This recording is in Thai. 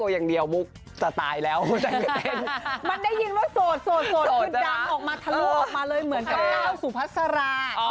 มันได้ยินว่าโสดคือดังออกมาทะลูออกมาเลยเหมือนกล้าวสูพัศระ